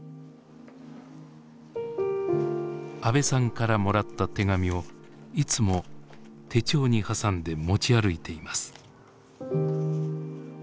阿部さんからもらった手紙をいつも手帳に挟んで持ち歩いています。